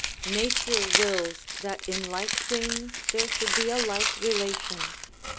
Nature will that in like things there should be a like relation.